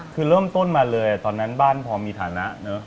คือเริ่มต้นมาเลยตอนนั้นบ้านพอมีฐานะเนอะ